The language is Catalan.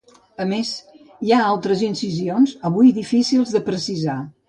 A més, hi ha altres incisions avui difícils de precisar.